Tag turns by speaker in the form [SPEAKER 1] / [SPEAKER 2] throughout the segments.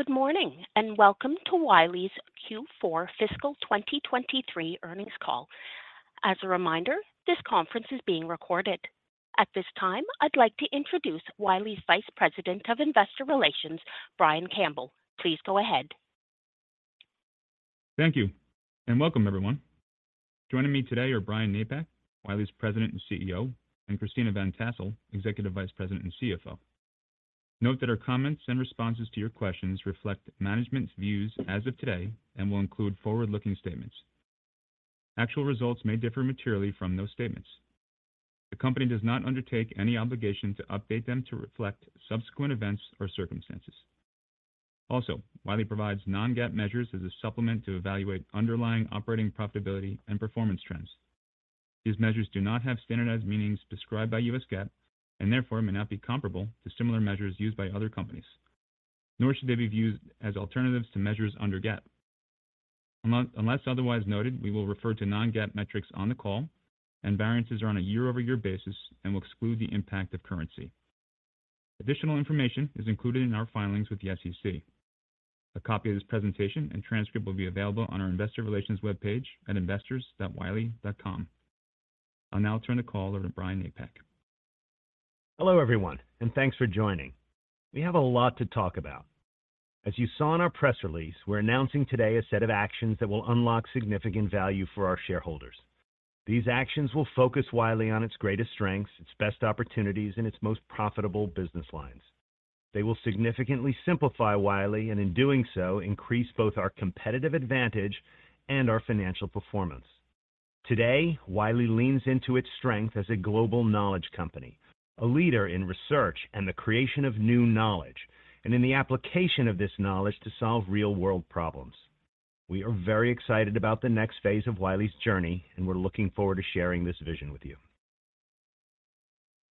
[SPEAKER 1] Good morning, welcome to Wiley's Q4 fiscal 2023 earnings call. As a reminder, this conference is being recorded. At this time, I'd like to introduce Wiley's Vice President of Investor Relations, Brian Campbell. Please go ahead.
[SPEAKER 2] Thank you, and welcome, everyone. Joining me today are Brian Napack, Wiley's President and CEO, and Christina Van Tassell, Executive Vice President and CFO. Note that our comments and responses to your questions reflect management's views as of today and will include forward-looking statements. Actual results may differ materially from those statements. The company does not undertake any obligation to update them to reflect subsequent events or circumstances. Wiley provides non-GAAP measures as a supplement to evaluate underlying operating profitability and performance trends. These measures do not have standardized meanings prescribed by U.S. GAAP, and therefore may not be comparable to similar measures used by other companies, nor should they be viewed as alternatives to measures under GAAP. Unless otherwise noted, we will refer to non-GAAP metrics on the call, and variances are on a year-over-year basis and will exclude the impact of currency. Additional information is included in our filings with the SEC. A copy of this presentation and transcript will be available on our investor relations webpage at investors.wiley.com. I'll now turn the call over to Brian Napack.
[SPEAKER 3] Hello, everyone, and thanks for joining. We have a lot to talk about. As you saw in our press release, we're announcing today a set of actions that will unlock significant value for our shareholders. These actions will focus Wiley on its greatest strengths, its best opportunities, and its most profitable business lines. They will significantly simplify Wiley, and in doing so, increase both our competitive advantage and our financial performance. Today, Wiley leans into its strength as a global knowledge company, a leader in research and the creation of new knowledge, and in the application of this knowledge to solve real-world problems. We are very excited about the next phase of Wiley's journey, and we're looking forward to sharing this vision with you.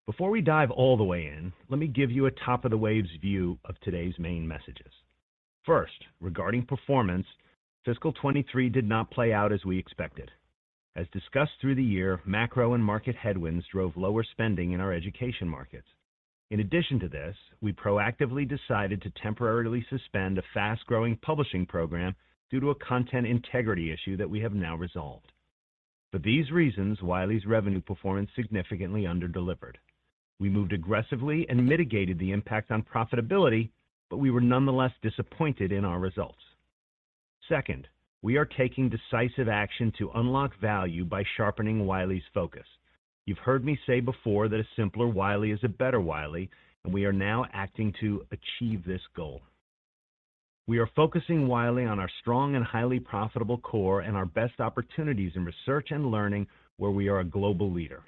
[SPEAKER 3] Before we dive all the way in, let me give you a top of the waves view of today's main messages. First, regarding performance, Fiscal 2023 did not play out as we expected. As discussed through the year, macro and market headwinds drove lower spending in our education markets. In addition to this, we proactively decided to temporarily suspend a fast-growing publishing program due to a content integrity issue that we have now resolved. For these reasons, Wiley's revenue performance significantly underdelivered. We moved aggressively and mitigated the impact on profitability, but we were nonetheless disappointed in our results. Second, we are taking decisive action to unlock value by sharpening Wiley's focus. You've heard me say before that a simpler Wiley is a better Wiley, and we are now acting to achieve this goal. We are focusing Wiley on our strong and highly profitable core and our best opportunities in research and learning, where we are a global leader.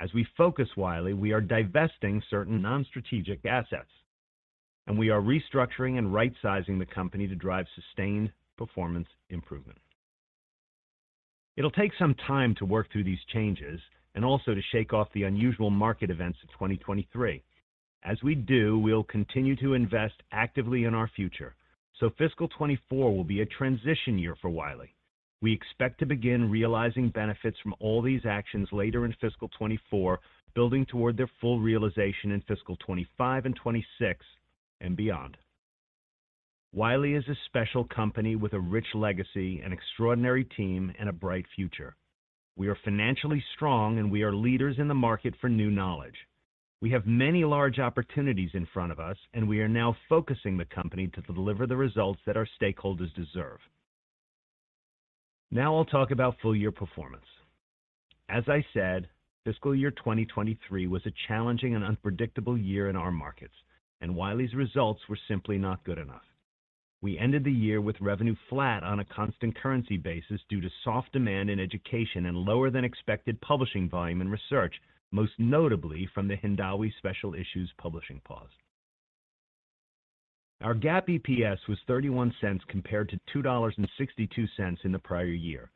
[SPEAKER 3] As we focus Wiley, we are divesting certain non-strategic assets, and we are restructuring and right-sizing the company to drive sustained performance improvement. It'll take some time to work through these changes and also to shake off the unusual market events of 2023. As we do, we'll continue to invest actively in our future, so fiscal 2024 will be a transition year for Wiley. We expect to begin realizing benefits from all these actions later in fiscal 2024, building toward their full realization in fiscal 2025 and 2026, and beyond. Wiley is a special company with a rich legacy, an extraordinary team, and a bright future. We are financially strong, and we are leaders in the market for new knowledge. We have many large opportunities in front of us, and we are now focusing the company to deliver the results that our stakeholders deserve. Now I'll talk about full year performance. As I said, fiscal year 2023 was a challenging and unpredictable year in our markets, and Wiley's results were simply not good enough. We ended the year with revenue flat on a constant currency basis due to soft demand in education and lower than expected publishing volume and research, most notably from the Hindawi Special Issues publishing pause. Our GAAP EPS was $0.31, compared to $2.62 in the prior year.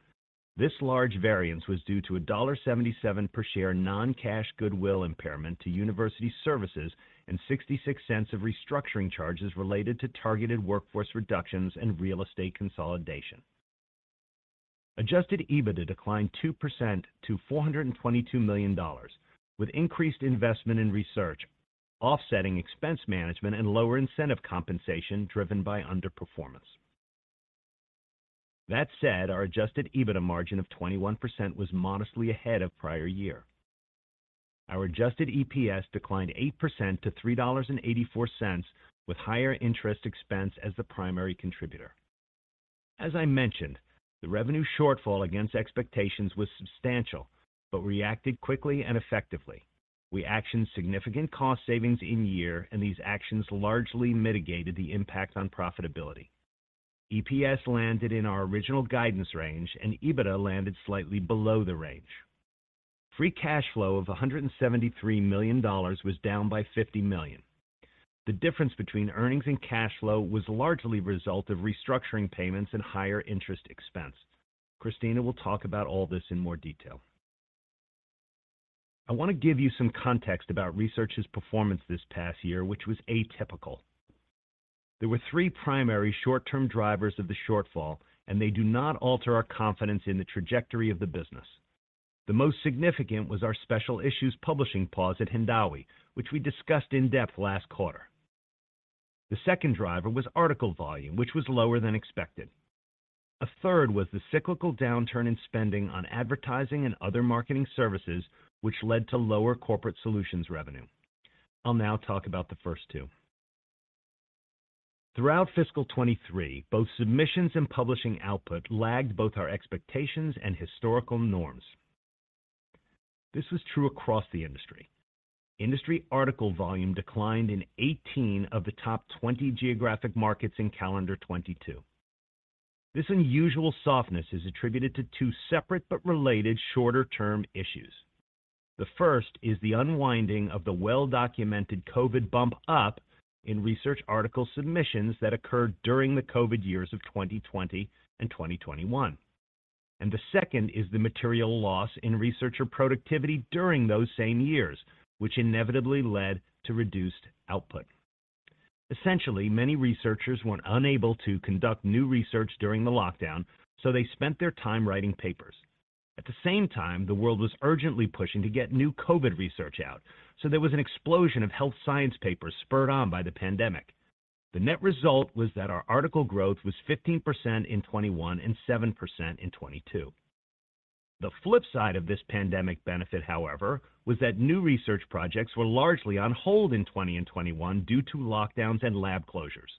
[SPEAKER 3] This large variance was due to a $1.77 per share non-cash goodwill impairment to University Services and $0.66 of restructuring charges related to targeted workforce reductions and real estate consolidation. Adjusted EBITDA declined 2% to $422 million, with increased investment in research, offsetting expense management and lower incentive compensation driven by underperformance. That said, our adjusted EBITDA margin of 21% was modestly ahead of prior year. Our adjusted EPS declined 8% to $3.84, with higher interest expense as the primary contributor. As I mentioned, the revenue shortfall against expectations was substantial but reacted quickly and effectively. We actioned significant cost savings in year, and these actions largely mitigated the impact on profitability. EPS landed in our original guidance range, and EBITDA landed slightly below the range. Free cash flow of $173 million was down by $50 million. The difference between earnings and cash flow was largely a result of restructuring payments and higher interest expense. Christina will talk about all this in more detail. I want to give you some context about Research's performance this past year, which was atypical. There were three primary short-term drivers of the shortfall, and they do not alter our confidence in the trajectory of the business. The most significant was our special issues publishing pause at Hindawi, which we discussed in depth last quarter. The second driver was article volume, which was lower than expected. A third was the cyclical downturn in spending on advertising and other marketing services, which led to lower corporate solutions revenue. I'll now talk about the first two. Throughout fiscal 2023, both submissions and publishing output lagged both our expectations and historical norms. This was true across the industry. Industry article volume declined in 18 of the top 20 geographic markets in calendar 2022. This unusual softness is attributed to two separate but related shorter-term issues. The first is the unwinding of the well-documented COVID bump-up in research article submissions that occurred during the COVID years of 2020 and 2021. The second is the material loss in researcher productivity during those same years, which inevitably led to reduced output. Essentially, many researchers were unable to conduct new research during the lockdown, so they spent their time writing papers. At the same time, the world was urgently pushing to get new COVID research out, so there was an explosion of health science papers spurred on by the pandemic. The net result was that our article growth was 15% in 2021 and 7% in 2022. The flip side of this pandemic benefit, however, was that new research projects were largely on hold in 2020 and 2021 due to lockdowns and lab closures.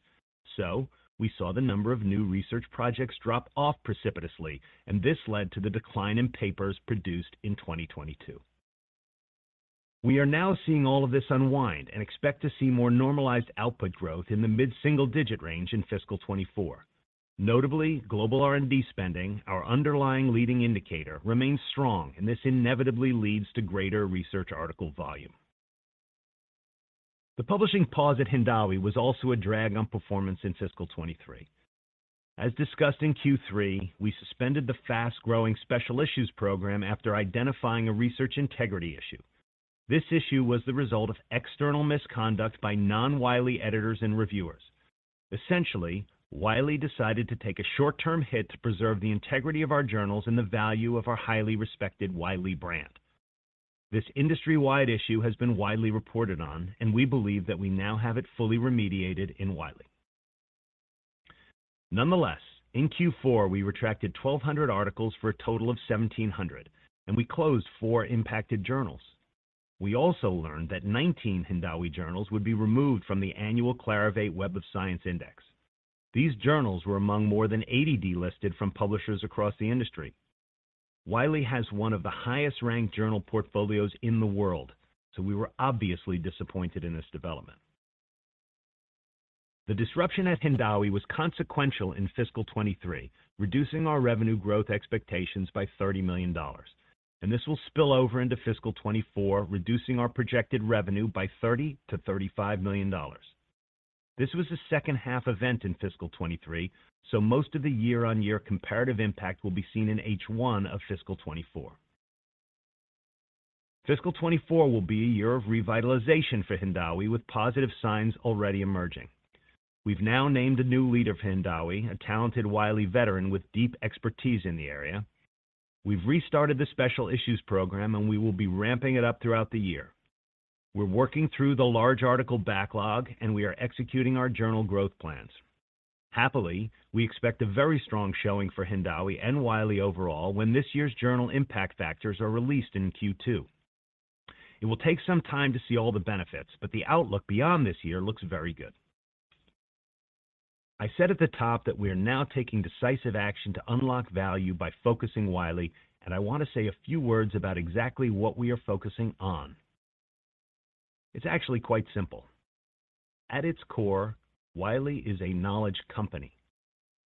[SPEAKER 3] We saw the number of new research projects drop off precipitously, and this led to the decline in papers produced in 2022. We are now seeing all of this unwind and expect to see more normalized output growth in the mid-single-digit range in fiscal 2024. Notably, global R&D spending, our underlying leading indicator, remains strong, and this inevitably leads to greater research article volume. The publishing pause at Hindawi was also a drag on performance in fiscal 2023. As discussed in Q3, we suspended the fast-growing special issues program after identifying a research integrity issue. This issue was the result of external misconduct by non-Wiley editors and reviewers. Essentially, Wiley decided to take a short-term hit to preserve the integrity of our journals and the value of our highly respected Wiley brand. This industry-wide issue has been widely reported on. We believe that we now have it fully remediated in Wiley. Nonetheless, in Q4, we retracted 1,200 articles for a total of 1,700, and we closed four impacted journals. We also learned that 19 Hindawi journals would be removed from the annual Clarivate Web of Science Index. These journals were among more than 80 delisted from publishers across the industry. Wiley has one of the highest-ranked journal portfolios in the world. We were obviously disappointed in this development. The disruption at Hindawi was consequential in fiscal 2023, reducing our revenue growth expectations by $30 million, and this will spill over into fiscal 2024, reducing our projected revenue by $30 million-$35 million. This was a second-half event in fiscal 2023. Most of the year-on-year comparative impact will be seen in H1 of fiscal 2024. Fiscal 2024 will be a year of revitalization for Hindawi, with positive signs already emerging. We've now named a new leader for Hindawi, a talented Wiley veteran with deep expertise in the area. We've restarted the special issues program, and we will be ramping it up throughout the year. We're working through the large article backlog, and we are executing our journal growth plans. Happily, we expect a very strong showing for Hindawi and Wiley overall when this year's Journal Impact Factors are released in Q2. It will take some time to see all the benefits, but the outlook beyond this year looks very good. I said at the top that we are now taking decisive action to unlock value by focusing Wiley, and I want to say a few words about exactly what we are focusing on. It's actually quite simple. At its core, Wiley is a knowledge company.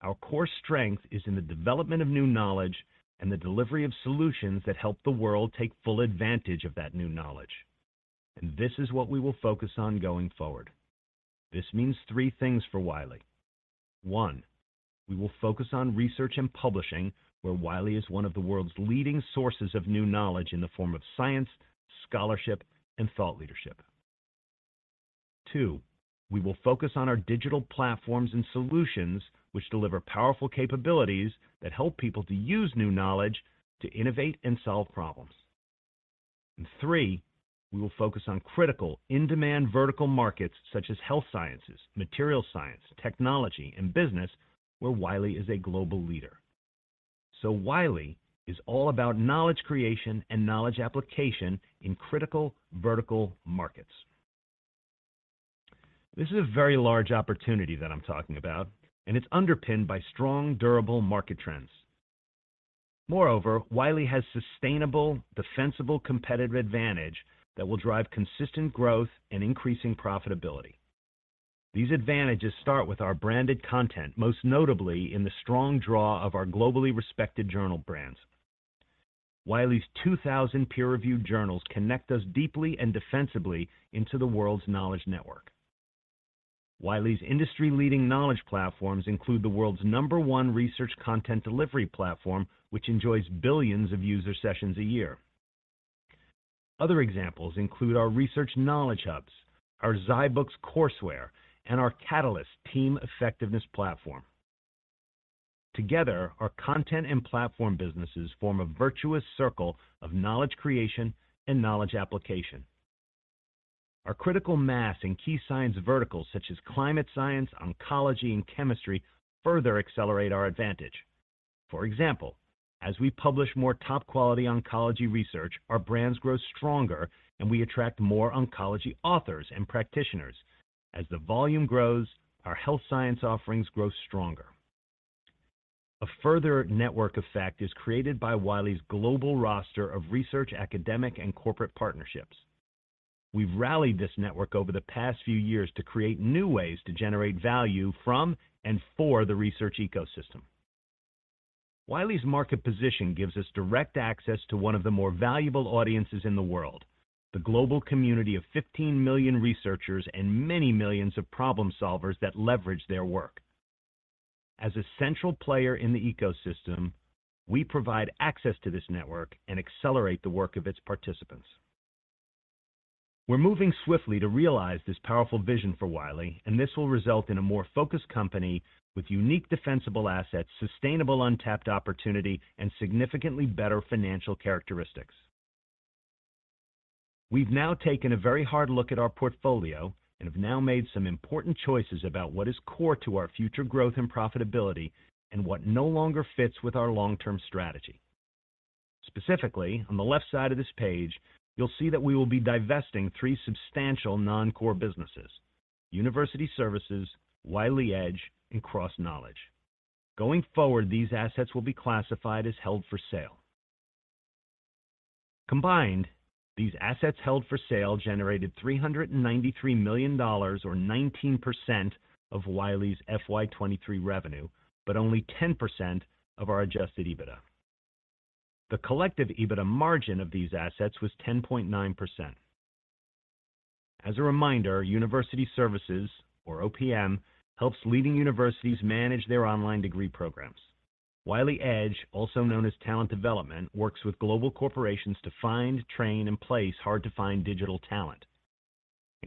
[SPEAKER 3] Our core strength is in the development of new knowledge and the delivery of solutions that help the world take full advantage of that new knowledge. This is what we will focus on going forward. This means three things for Wiley. One, we will focus on research and publishing, where Wiley is one of the world's leading sources of new knowledge in the form of science, scholarship, and thought leadership. Two, we will focus on our digital platforms and solutions, which deliver powerful capabilities that help people to use new knowledge to innovate and solve problems. Three, we will focus on critical, in-demand vertical markets such as health sciences, material science, technology, and business, where Wiley is a global leader. Wiley is all about knowledge creation and knowledge application in critical vertical markets. This is a very large opportunity that I'm talking about, and it's underpinned by strong, durable market trends. Moreover, Wiley has sustainable, defensible competitive advantage that will drive consistent growth and increasing profitability. These advantages start with our branded content, most notably in the strong draw of our globally respected journal brands. Wiley's 2,000 peer-reviewed journals connect us deeply and defensively into the world's knowledge network. Wiley's industry-leading knowledge platforms include the world's number one research content delivery platform, which enjoys billions of user sessions a year. Other examples include our research knowledge hubs, our zyBooks courseware, and our Catalyst team effectiveness platform. Together, our content and platform businesses form a virtuous circle of knowledge creation and knowledge application. Our critical mass in key science verticals such as climate science, oncology, and chemistry, further accelerate our advantage. For example, as we publish more top-quality oncology research, our brands grow stronger, and we attract more oncology authors and practitioners. As the volume grows, our health science offerings grow stronger. A further network effect is created by Wiley's global roster of research, academic, and corporate partnerships. We've rallied this network over the past few years to create new ways to generate value from and for the research ecosystem. Wiley's market position gives us direct access to one of the more valuable audiences in the world, the global community of 15 million researchers and many millions of problem solvers that leverage their work. As a central player in the ecosystem, we provide access to this network and accelerate the work of its participants. We're moving swiftly to realize this powerful vision for Wiley, and this will result in a more focused company with unique, defensible assets, sustainable, untapped opportunity, and significantly better financial characteristics. We've now taken a very hard look at our portfolio and have now made some important choices about what is core to our future growth and profitability and what no longer fits with our long-term strategy. Specifically, on the left side of this page, you'll see that we will be divesting three substantial non-core businesses: University Services, Wiley Edge, and CrossKnowledge. Going forward, these assets will be classified as held for sale. Combined, these assets held for sale generated $393 million, or 19% of Wiley's FY 2023 revenue, but only 10% of our adjusted EBITDA. The collective EBITDA margin of these assets was 10.9%. As a reminder, University Services, or OPM, helps leading universities manage their online degree programs. Wiley Edge, also known as Talent Development, works with global corporations to find, train, and place hard-to-find digital talent.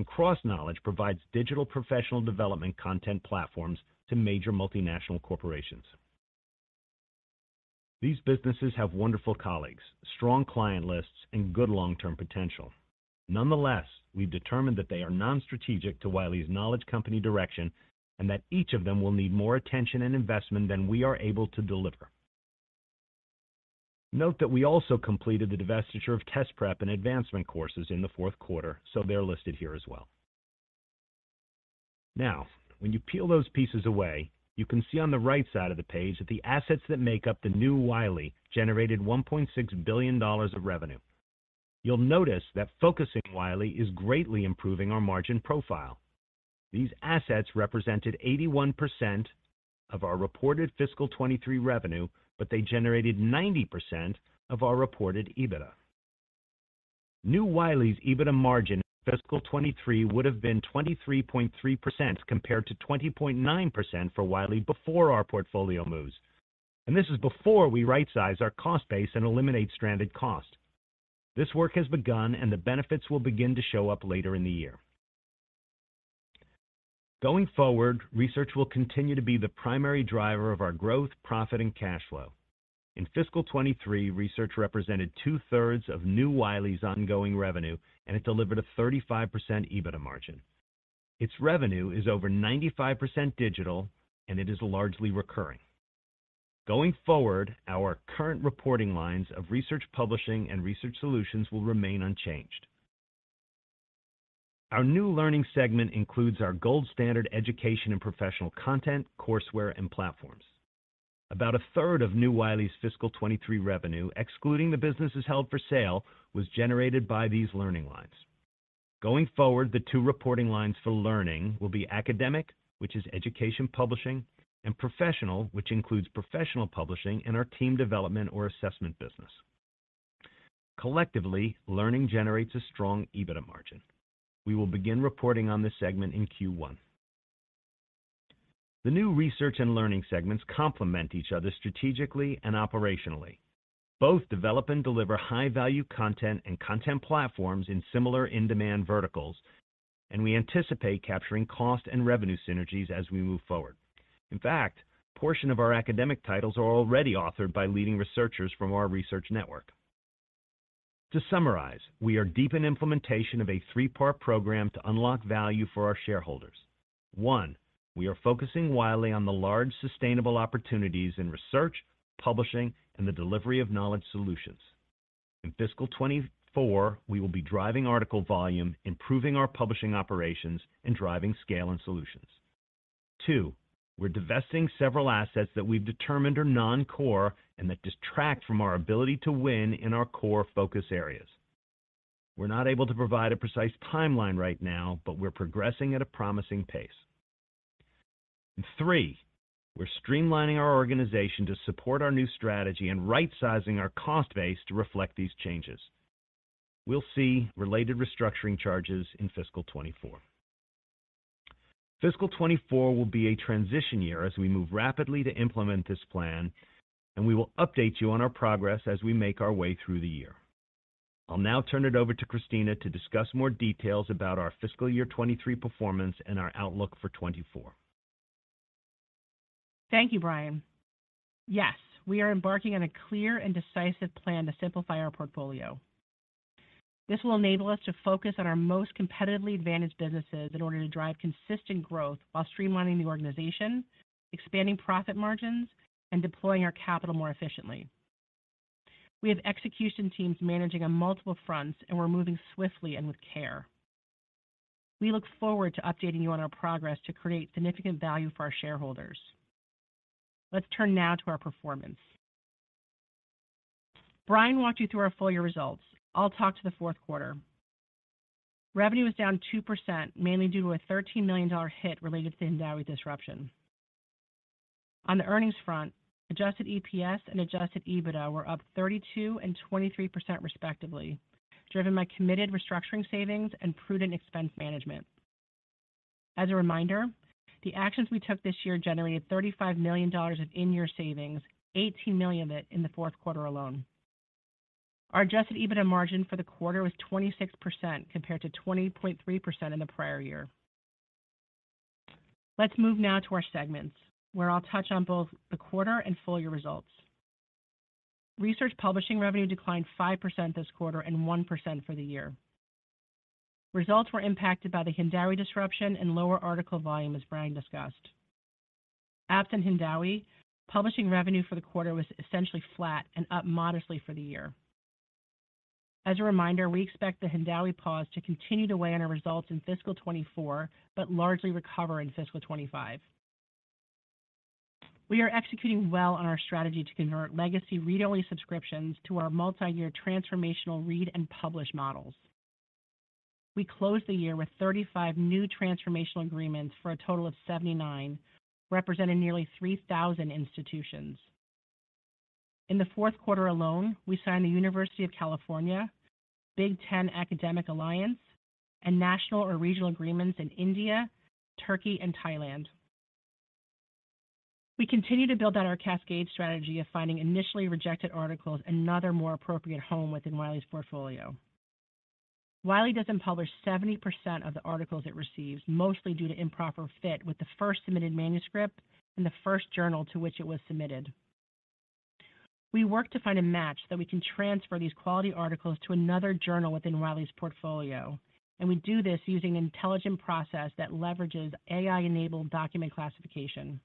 [SPEAKER 3] CrossKnowledge provides digital professional development content platforms to major multinational corporations. These businesses have wonderful colleagues, strong client lists, and good long-term potential. Nonetheless, we've determined that they are non-strategic to Wiley's knowledge company direction and that each of them will need more attention and investment than we are able to deliver. Note that we also completed the divestiture of Test Prep and Advancement Courses in the fourth quarter, so they're listed here as well. When you peel those pieces away, you can see on the right side of the page that the assets that make up the new Wiley generated $1.6 billion of revenue. You'll notice that focusing Wiley is greatly improving our margin profile. These assets represented 81% of our reported fiscal 2023 revenue, but they generated 90% of our reported EBITDA. New Wiley's EBITDA margin in fiscal 2023 would have been 23.3%, compared to 20.9% for Wiley before our portfolio moves, and this is before we rightsize our cost base and eliminate stranded costs. This work has begun, and the benefits will begin to show up later in the year. Going forward, research will continue to be the primary driver of our growth, profit, and cash flow. In fiscal 2023, research represented two-thirds of new Wiley's ongoing revenue, and it delivered a 35% EBITDA margin. Its revenue is over 95% digital, and it is largely recurring. Going forward, our current reporting lines of research publishing and research solutions will remain unchanged. Our new learning segment includes our gold standard education and professional content, courseware, and platforms. About a third of new Wiley's fiscal 2023 revenue, excluding the businesses held for sale, was generated by these learning lines. Going forward, the two reporting lines for learning will be academic, which is education publishing, and professional, which includes professional publishing and our team development or assessment business. Collectively, learning generates a strong EBITDA margin. We will begin reporting on this segment in Q1. The new research and learning segments complement each other strategically and operationally. Both develop and deliver high-value content and content platforms in similar in-demand verticals, and we anticipate capturing cost and revenue synergies as we move forward. In fact, a portion of our academic titles are already authored by leading researchers from our research network. To summarize, we are deep in implementation of a three-part program to unlock value for our shareholders. One, we are focusing Wiley on the large, sustainable opportunities in research, publishing, and the delivery of knowledge solutions. In fiscal 2024, we will be driving article volume, improving our publishing operations, and driving scale and solutions. Two, we're divesting several assets that we've determined are non-core and that distract from our ability to win in our core focus areas. We're not able to provide a precise timeline right now, but we're progressing at a promising pace. Three, we're streamlining our organization to support our new strategy and rightsizing our cost base to reflect these changes. We'll see related restructuring charges in fiscal 2024. Fiscal 2024 will be a transition year as we move rapidly to implement this plan. We will update you on our progress as we make our way through the year. I'll now turn it over to Christina to discuss more details about our fiscal year 2023 performance and our outlook for 2024.
[SPEAKER 4] Thank you, Brian. We are embarking on a clear and decisive plan to simplify our portfolio. This will enable us to focus on our most competitively advantaged businesses in order to drive consistent growth while streamlining the organization, expanding profit margins, and deploying our capital more efficiently. We have execution teams managing on multiple fronts. We're moving swiftly and with care. We look forward to updating you on our progress to create significant value for our shareholders. Let's turn now to our performance. Brian walked you through our full year results. I'll talk to the fourth quarter. Revenue was down 2%, mainly due to a $13 million hit related to the Hindawi disruption. On the earnings front, adjusted EPS and adjusted EBITDA were up 32% and 23%, respectively, driven by committed restructuring savings and prudent expense management. As a reminder, the actions we took this year generated $35 million of in-year savings, $18 million of it in the fourth quarter alone. Our adjusted EBITDA margin for the quarter was 26%, compared to 20.3% in the prior year. Let's move now to our segments, where I'll touch on both the quarter and full year results. Research publishing revenue declined 5% this quarter and 1% for the year. Results were impacted by the Hindawi disruption and lower article volume, as Brian discussed. Absent Hindawi, publishing revenue for the quarter was essentially flat and up modestly for the year. As a reminder, we expect the Hindawi pause to continue to weigh on our results in fiscal 2024, but largely recover in fiscal 2025. We are executing well on our strategy to convert legacy read-only subscriptions to our multi-year transformational Read and Publish models. We closed the year with 35 new transformational agreements for a total of 79, representing nearly 3,000 institutions. In the fourth quarter alone, we signed the University of California, Big Ten Academic Alliance, and national or regional agreements in India, Turkey, and Thailand. We continue to build out our cascade strategy of finding initially rejected articles, another more appropriate home within Wiley's portfolio. Wiley doesn't publish 70% of the articles it receives, mostly due to improper fit with the first submitted manuscript and the first journal to which it was submitted. We work to find a match so we can transfer these quality articles to another journal within Wiley's portfolio, and we do this using an intelligent process that leverages AI-enabled document classification.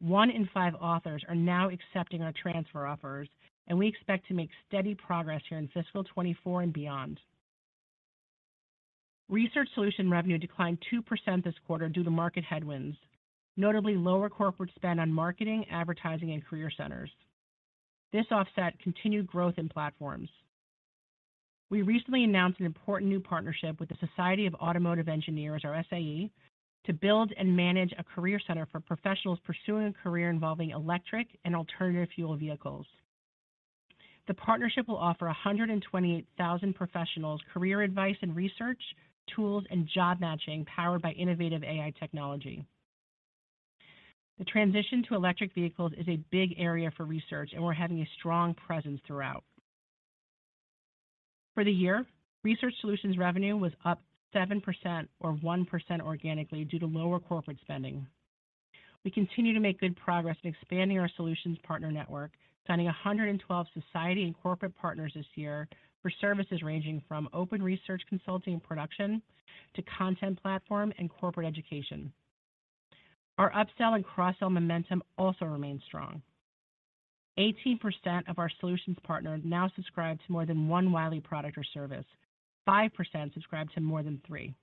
[SPEAKER 4] One in five authors are now accepting our transfer offers, and we expect to make steady progress here in fiscal 2024 and beyond. Research solution revenue declined 2% this quarter due to market headwinds, notably lower corporate spend on marketing, advertising, and career centers. This offset continued growth in platforms. We recently announced an important new partnership with the Society of Automotive Engineers, or SAE, to build and manage a career center for professionals pursuing a career involving electric and alternative fuel vehicles. The partnership will offer 128,000 professionals career advice and research, tools, and job matching, powered by innovative AI technology. The transition to electric vehicles is a big area for research, and we're having a strong presence throughout. For the year, research solutions revenue was up 7% or 1% organically due to lower corporate spending. We continue to make good progress in expanding our solutions partner network, signing 112 society and corporate partners this year for services ranging from open research, consulting and production to content platform and corporate education. Our upsell and cross-sell momentum also remains strong. 18% of our solutions partners now subscribe to more than one Wiley product or service. 5% subscribe to more than 3%.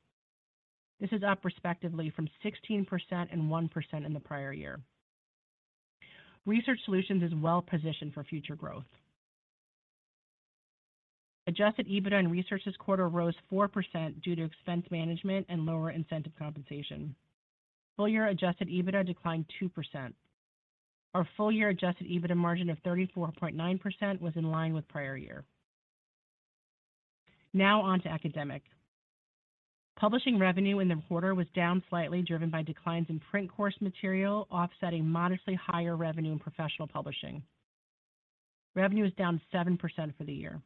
[SPEAKER 4] This is up respectively from 16% and 1% in the prior year. Research Solutions is well positioned for future growth. Adjusted EBITDA and Research this quarter rose 4% due to expense management and lower incentive compensation. Full year Adjusted EBITDA declined 2%. Our full-year Adjusted EBITDA margin of 34.9% was in line with prior year. On to Academic. Publishing revenue in the quarter was down slightly, driven by declines in print course material, offsetting modestly higher revenue in professional publishing. Revenue is down 7% for the year.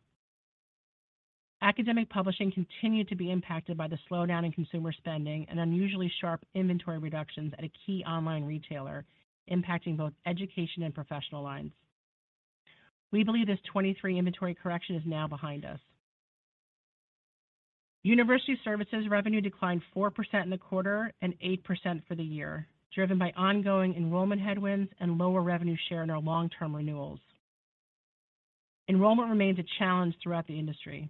[SPEAKER 4] Academic publishing continued to be impacted by the slowdown in consumer spending and unusually sharp inventory reductions at a key online retailer, impacting both education and professional lines. We believe this 2023 inventory correction is now behind us. University Services revenue declined 4% in the quarter and 8% for the year, driven by ongoing enrollment headwinds and lower revenue share in our long-term renewals. Enrollment remains a challenge throughout the industry.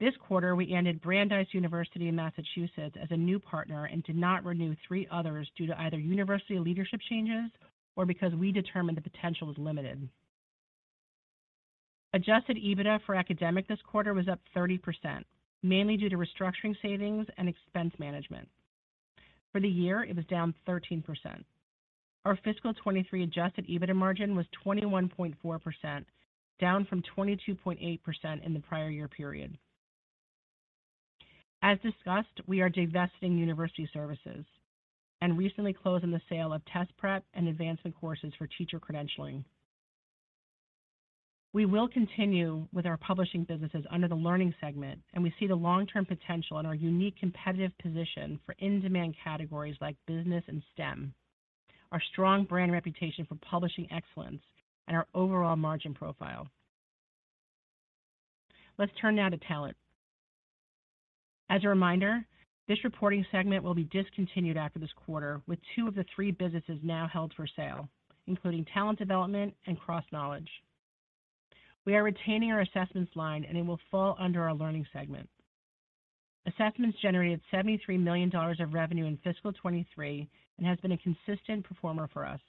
[SPEAKER 4] This quarter, we ended Brandeis University in Massachusetts as a new partner and did not renew three others due to either university leadership changes or because we determined the potential was limited. Adjusted EBITDA for academic this quarter was up 30%, mainly due to restructuring savings and expense management. For the year, it was down 13%. Our fiscal 2023 adjusted EBITDA margin was 21.4%, down from 22.8% in the prior year period. As discussed, we are divesting University Services and recently closing the sale of Test Prep and Advancement Courses for teacher credentialing. We will continue with our publishing businesses under the learning segment, and we see the long-term potential and our unique competitive position for in-demand categories like business and STEM, our strong brand reputation for publishing excellence, and our overall margin profile. Let's turn now to talent. As a reminder, this reporting segment will be discontinued after this quarter, with two of the three businesses now held for sale, including Talent Development and CrossKnowledge. We are retaining our assessments line, and it will fall under our learning segment. Assessments generated $73 million of revenue in fiscal 2023 and has been a consistent performer for us.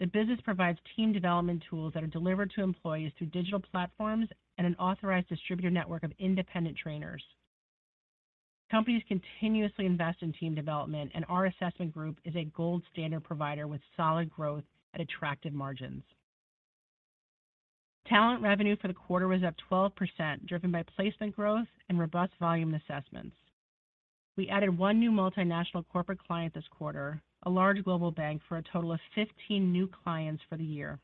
[SPEAKER 4] The business provides team development tools that are delivered to employees through digital platforms and an authorized distributor network of independent trainers. Companies continuously invest in team development, and our assessment group is a gold standard provider with solid growth at attractive margins. Talent revenue for the quarter was up 12%, driven by placement growth and robust volume assessments. We added One new multinational corporate client this quarter, a large global bank, for a total of 15 new clients for the year.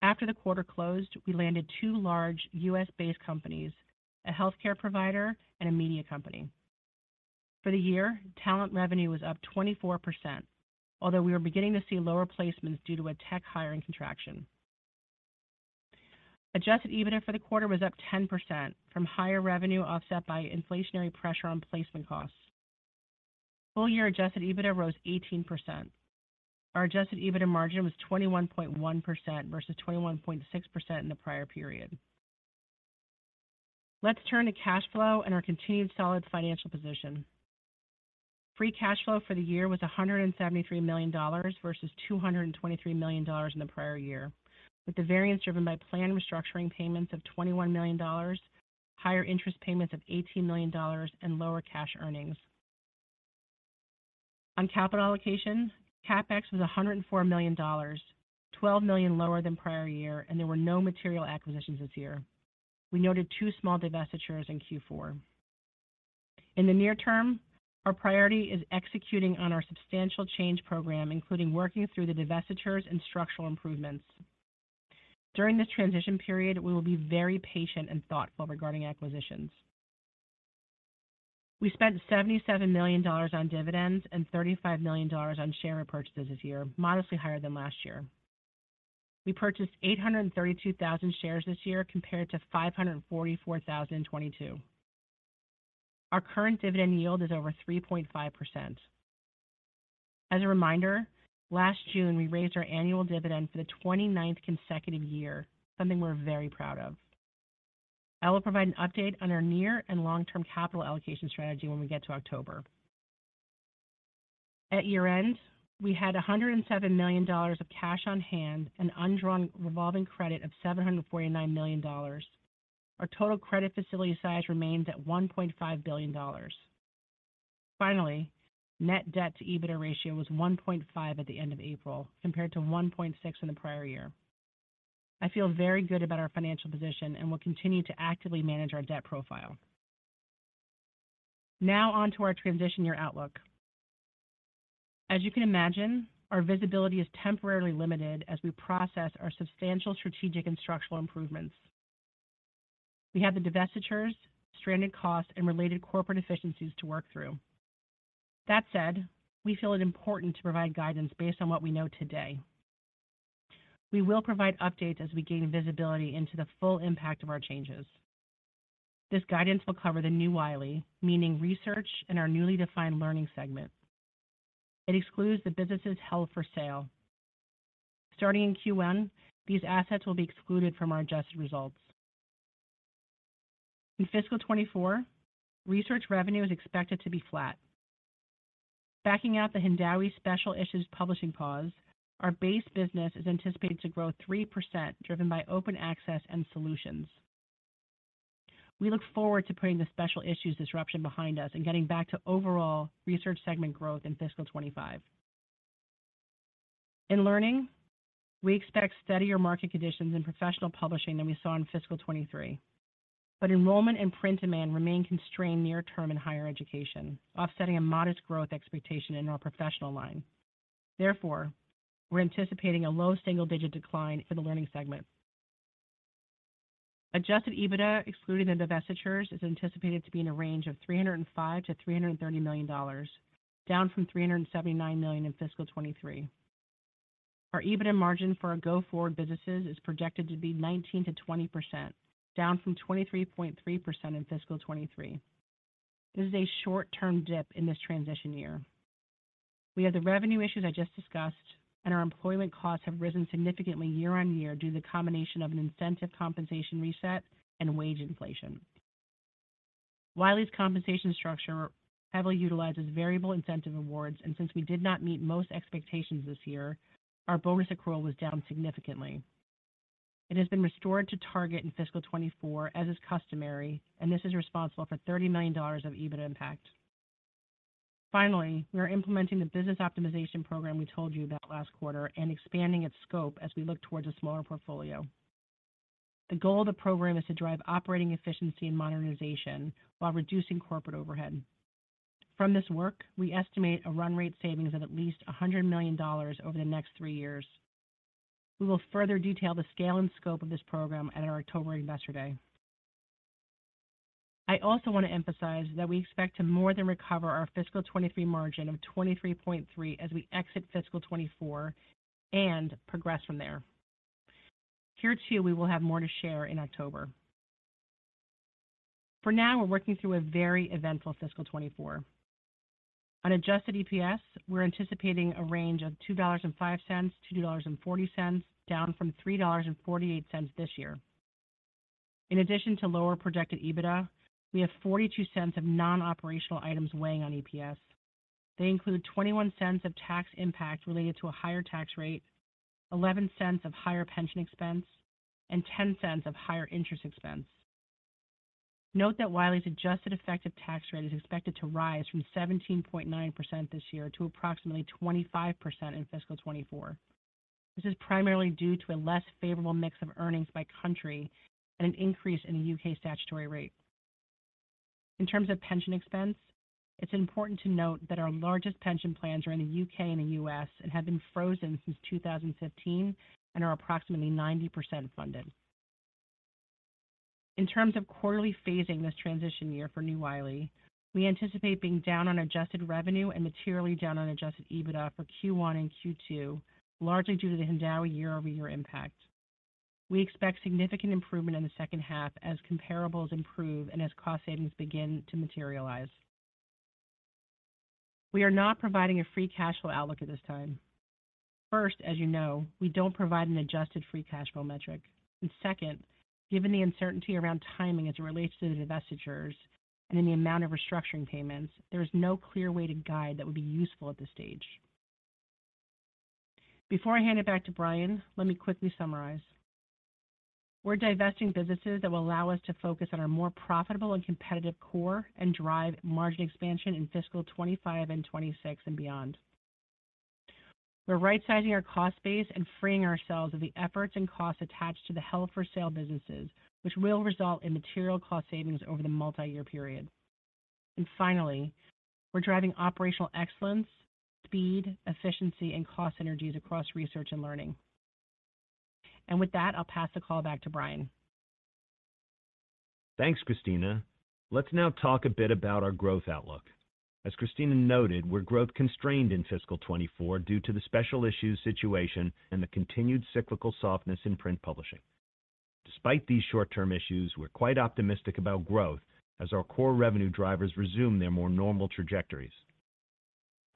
[SPEAKER 4] After the quarter closed, we landed two large U.S.-based companies, a healthcare provider and a media company. For the year, Talent revenue was up 24%, although we are beginning to see lower placements due to a tech hiring contraction. Adjusted EBITDA for the quarter was up 10% from higher revenue, offset by inflationary pressure on placement costs. Full year adjusted EBITDA rose 18%. Our adjusted EBITDA margin was 21.1% versus 21.6% in the prior period. Let's turn to cash flow and our continued solid financial position. Free cash flow for the year was $173 million versus $223 million in the prior year, with the variance driven by planned restructuring payments of $21 million, higher interest payments of $18 million, and lower cash earnings. On capital allocation, CapEx was $104 million, $12 million lower than prior year, and there were no material acquisitions this year. We noted two small divestitures in Q4. In the near term, our priority is executing on our substantial change program, including working through the divestitures and structural improvements. During this transition period, we will be very patient and thoughtful regarding acquisitions. We spent $77 million on dividends and $35 million on share repurchases this year, modestly higher than last year. We purchased 832,000 shares this year, compared to 544,000 in 2022. Our current dividend yield is over 3.5%. As a reminder, last June, we raised our annual dividend for the 29th consecutive year, something we're very proud of. I will provide an update on our near and long-term capital allocation strategy when we get to October. At year-end, we had $107 million of cash on hand and undrawn revolving credit of $749 million. Our total credit facility size remains at $1.5 billion. Net debt to EBITDA ratio was 1.5 at the end of April, compared to 1.6 in the prior year. I feel very good about our financial position and will continue to actively manage our debt profile. On to our transition year outlook. As you can imagine, our visibility is temporarily limited as we process our substantial strategic and structural improvements. We have the divestitures, stranded costs, and related corporate efficiencies to work through. That said, we feel it important to provide guidance based on what we know today. We will provide updates as we gain visibility into the full impact of our changes. This guidance will cover the new Wiley, meaning research and our newly defined learning segment. It excludes the businesses held for sale. Starting in Q1, these assets will be excluded from our adjusted results. In fiscal 2024, research revenue is expected to be flat. Backing out the Hindawi special issues publishing pause, our base business is anticipated to grow 3%, driven by Open Access and solutions. We look forward to putting the special issues disruption behind us and getting back to overall research segment growth in fiscal 2025. In learning, we expect steadier market conditions in professional publishing than we saw in fiscal 2023, but enrollment and print demand remain constrained near term in higher education, offsetting a modest growth expectation in our professional line. We're anticipating a low single-digit decline for the learning segment. Adjusted EBITDA, excluding the divestitures, is anticipated to be in a range of $305 million-$330 million, down from $379 million in fiscal 2023. Our EBITDA margin for our go-forward businesses is projected to be 19%-20%, down from 23.3% in fiscal 2023. This is a short-term dip in this transition year. We have the revenue issues I just discussed. Our employment costs have risen significantly year-on-year due to the combination of an incentive compensation reset and wage inflation. Wiley's compensation structure heavily utilizes variable incentive awards. Since we did not meet most expectations this year, our bonus accrual was down significantly. It has been restored to target in fiscal 2024, as is customary. This is responsible for $30 million of EBIT impact. We are implementing the business optimization program we told you about last quarter and expanding its scope as we look towards a smaller portfolio. The goal of the program is to drive operating efficiency and modernization while reducing corporate overhead. From this work, we estimate a run rate savings of at least $100 million over the next three years. We will further detail the scale and scope of this program at our October Investor Day. I also want to emphasize that we expect to more than recover our fiscal 2023 margin of 23.3% as we exit fiscal 2024 and progress from there. Here, too, we will have more to share in October. For now, we're working through a very eventful fiscal 2024. On adjusted EPS, we're anticipating a range of $2.05, $2.40, down from $3.48 this year. In addition to lower projected EBITDA, we have $0.42 of non-operational items weighing on EPS. They include $0.21 of tax impact related to a higher tax rate, $0.11 of higher pension expense, and $0.10 of higher interest expense. Note that Wiley's adjusted effective tax rate is expected to rise from 17.9% this year to approximately 25% in fiscal 2024. This is primarily due to a less favorable mix of earnings by country and an increase in the U.K. statutory rate. In terms of pension expense, it's important to note that our largest pension plans are in the U.K. and the U.S. and have been frozen since 2015 and are approximately 90% funded. In terms of quarterly phasing this transition year for Wiley, we anticipate being down on adjusted revenue and materially down on adjusted EBITDA for Q1 and Q2, largely due to the Hindawi year-over-year impact. We expect significant improvement in the second half as comparables improve and as cost savings begin to materialize. We are not providing a free cash flow outlook at this time. First, as you know, we don't provide an adjusted free cash flow metric. Second, given the uncertainty around timing as it relates to the divestitures and in the amount of restructuring payments, there is no clear way to guide that would be useful at this stage. Before I hand it back to Brian, let me quickly summarize. We're divesting businesses that will allow us to focus on our more profitable and competitive core and drive margin expansion in fiscal 2025 and 2026 and beyond. We're right-sizing our cost base and freeing ourselves of the efforts and costs attached to the held-for-sale businesses, which will result in material cost savings over the multi-year period. Finally, we're driving operational excellence, speed, efficiency, and cost synergies across research and learning. With that, I'll pass the call back to Brian.
[SPEAKER 3] Thanks, Christina. Let's now talk a bit about our growth outlook. As Christina noted, we're growth-constrained in fiscal 2024 due to the special issues situation and the continued cyclical softness in print publishing. Despite these short-term issues, we're quite optimistic about growth as our core revenue drivers resume their more normal trajectories.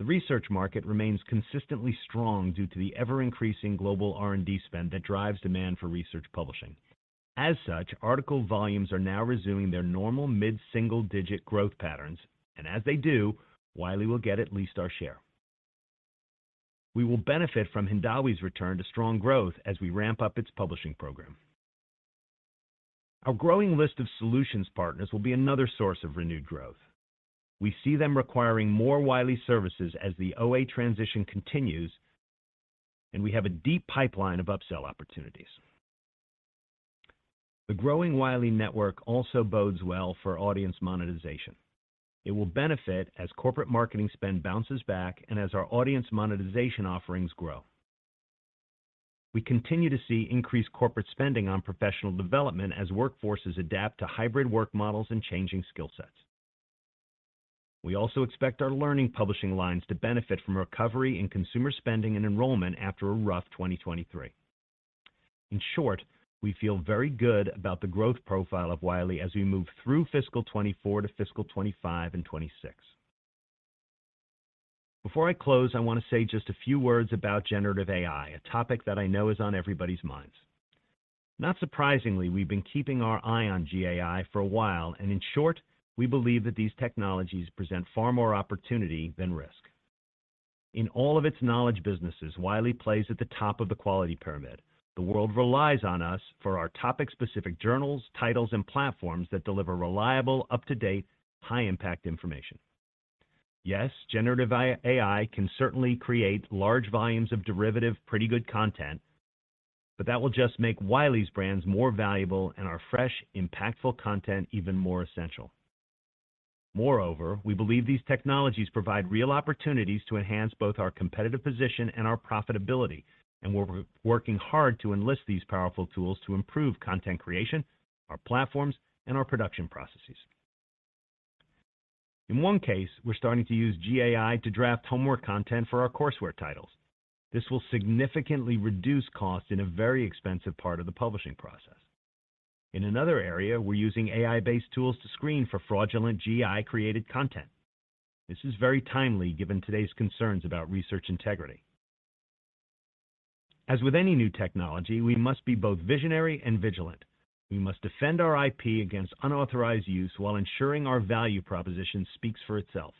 [SPEAKER 3] The research market remains consistently strong due to the ever-increasing global R&D spend that drives demand for research publishing. As such, article volumes are now resuming their normal mid-single-digit growth patterns, and as they do, Wiley will get at least our share. We will benefit from Hindawi's return to strong growth as we ramp up its publishing program. Our growing list of solutions partners will be another source of renewed growth. We see them requiring more Wiley services as the OA transition continues, and we have a deep pipeline of upsell opportunities. The growing Wiley network also bodes well for audience monetization. It will benefit as corporate marketing spend bounces back and as our audience monetization offerings grow. We continue to see increased corporate spending on professional development as workforces adapt to hybrid work models and changing skill sets. We also expect our learning publishing lines to benefit from a recovery in consumer spending and enrollment after a rough 2023. In short, we feel very good about the growth profile of Wiley as we move through fiscal 2024 to fiscal 2025 and 2026. Before I close, I want to say just a few words about generative AI, a topic that I know is on everybody's minds. Not surprisingly, we've been keeping our eye on GAI for a while, and in short, we believe that these technologies present far more opportunity than risk. In all of its knowledge businesses, Wiley plays at the top of the quality pyramid. The world relies on us for our topic-specific journals, titles, and platforms that deliver reliable, up-to-date, high-impact information. Generative AI can certainly create large volumes of derivative, pretty good content, but that will just make Wiley's brands more valuable and our fresh, impactful content even more essential. We believe these technologies provide real opportunities to enhance both our competitive position and our profitability, and we're working hard to enlist these powerful tools to improve content creation, our platforms, and our production processes. In one case, we're starting to use GAI to draft homework content for our courseware titles. This will significantly reduce cost in a very expensive part of the publishing process. In another area, we're using AI-based tools to screen for fraudulent AI-generated content. This is very timely, given today's concerns about research integrity. As with any new technology, we must be both visionary and vigilant. We must defend our IP against unauthorized use while ensuring our value proposition speaks for itself.